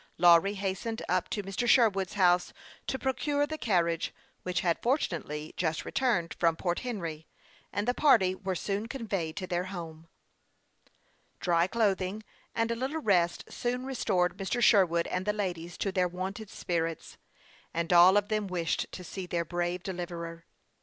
Lawry hastened up to Mr. Sherwood's house to procure the carriage, which had fortunately just returned from Port Henry, and the party were soon con veyed to their home. THE YOUNG PILOT OF LAKE CHAMPLAIN. 69 Dry clothing and a little rest soon restored Mr. Sherwood and the ladies to their wonted spirits, and all of them wished to see their brave deliv erer.